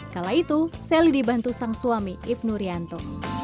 kala itu sally dibantu sang suami ibnu rianto